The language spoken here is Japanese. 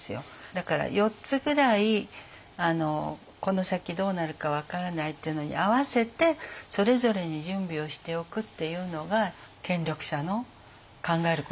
だから４つぐらいこの先どうなるか分からないっていうのに合わせてそれぞれに準備をしておくっていうのが権力者の考えることだと思うので。